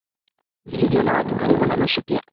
vilivyo na watu karibu na nusu Pia